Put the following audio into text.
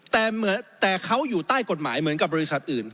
แต่เขาอยู่ใต้กฎหมายเหมือนกับบริษัทอื่น